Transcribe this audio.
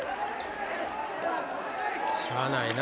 しゃあないな。